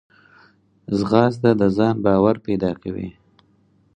ځغاسته د ځان باور پیدا کوي